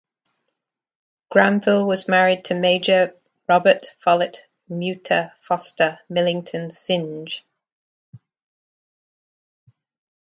Granville was married to Major Robert Follett Muter Foster Millington Synge.